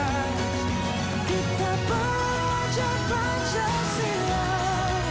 cara untuk berjalan lebar